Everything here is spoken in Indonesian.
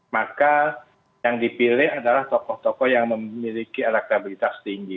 maka yang dipilih adalah tokoh tokoh yang memiliki elektabilitas tinggi